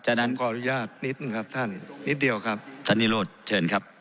ฉะนั้นขออนุญาตนิดนึงครับท่านนิดเดียวครับท่านนิโรธเชิญครับ